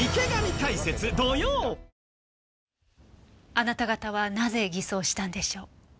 あなた方はなぜ偽装したんでしょう？